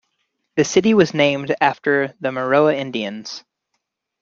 The city was named after the Maroa Indians.